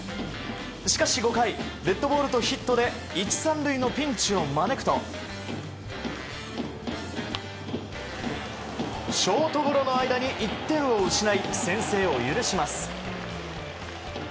しかし５回デッドボールとヒットで１、３塁のピンチを招くとショートゴロの間に１点を失い先制を許します。